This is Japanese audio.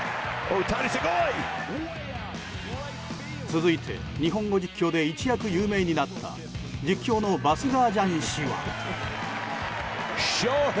続いて、日本語実況で一躍有名になった実況のバスガージャン氏は。